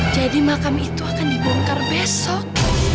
jadi makam itu akan dibongkar besok